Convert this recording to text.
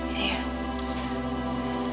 terima kasih ya